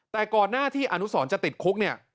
แต่ก่อนหน้าที่อนุสรจะติดคุกเนี่ย